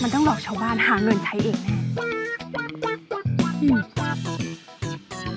ต้องหลอกชาวบ้านหาเงินใช้เอง